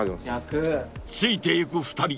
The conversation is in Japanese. ［ついていく２人］